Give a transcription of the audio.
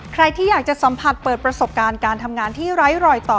ใครที่อยากจะสัมผัสเปิดประสบการณ์การทำงานที่ไร้รอยต่อ